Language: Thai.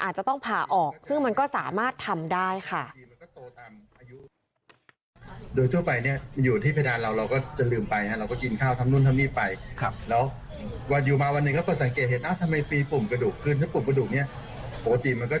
อาจจะต้องผ่าออกซึ่งมันก็สามารถทำได้ค่ะ